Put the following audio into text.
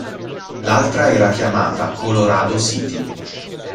L'altra era chiamata Colorado City.